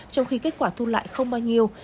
trong khi kết quả thu lại không bao nhiêu